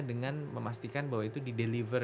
dengan memastikan bahwa itu dideliver